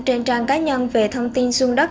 trên trang cá nhân về thông tin xuân đất